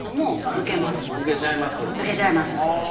受けちゃいます。